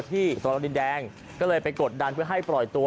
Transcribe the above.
สนดินแดงก็เลยไปกดดันเพื่อให้ปล่อยตัว